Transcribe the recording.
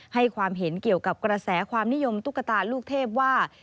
ให้ความเห็นเกี่ยวกับกระแสความนิยมตุ๊กตาลูกเทพว่า